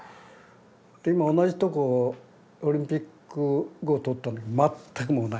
で今同じとこをオリンピック後通ったんだけど全くもうない。